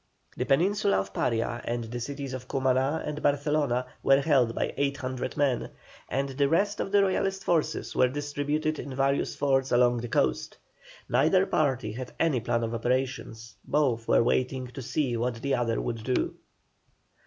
The peninsula of Paria, and the cities of Cumaná and Barcelona were held by 800 men, and the rest of the Royalist forces were distributed in various forts along the coast. Neither party had any plan of operations, both were waiting to see what the other would do.